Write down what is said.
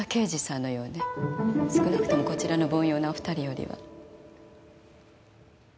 少なくてもこちらの凡庸なお２人よりは。